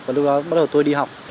và lúc đó bắt đầu tôi đi học